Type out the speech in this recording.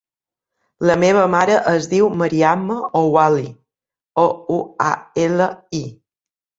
La meva mare es diu Mariama Ouali: o, u, a, ela, i.